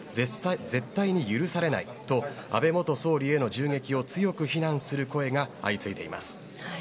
絶対に許されないと安倍元総理への銃撃を強く非難する声が相次いでいます。